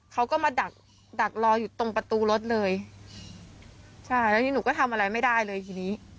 เขาก็มาดักดักรออยู่ตรงประตูรถเลยใช่แล้วทีนี้หนูก็ทำอะไรไม่ได้เลยทีนี้